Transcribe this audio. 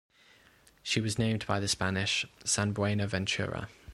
She was named by the Spanish "San Buena Ventura".